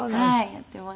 やっています。